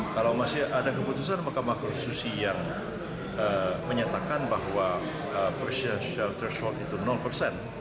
kalau masih ada keputusan mahkamah konstitusi yang menyatakan bahwa presidensial threshold itu persen